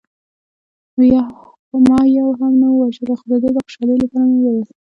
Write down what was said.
ما یو هم نه و وژلی، خو د ده د خوشحالۍ لپاره مې وویل.